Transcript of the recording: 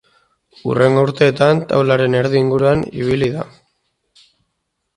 Hurrengo urteetan taularen erdi inguruan ibili da.